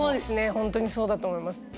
本当にそうだと思います。